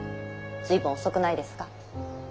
随分遅くないですか。